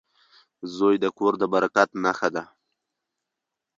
• زوی د کور د برکت نښه وي.